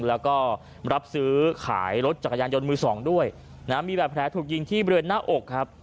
แล้วก็รับซื้อขายรถจักรยานยนต์มือสองด้วยนะมีแบบแผลถูกยิงที่บริเวณหน้าอกครับ